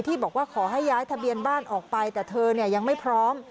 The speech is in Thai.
บอกว่าขอให้ย้ายทะเบียนบ้านออกไปแต่เธอยังไม่พร้อม